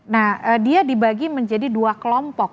nah dia dibagi menjadi dua kelompok